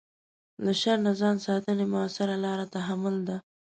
له شر نه ځان ساتنې مؤثره لاره تحمل ده.